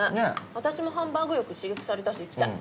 私もハンバーグ欲刺激されたし行きたい。